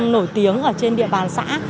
nổi tiếng ở trên địa bàn xã